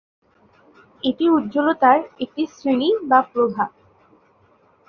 এটি উজ্জ্বলতার একটি শ্রেণী বা প্রভা।